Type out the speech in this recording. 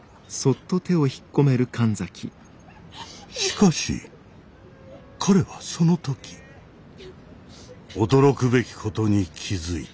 しかし彼はその時驚くべきことに気付いた。